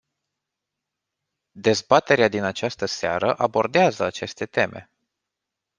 Dezbaterea din această seară abordează aceste teme.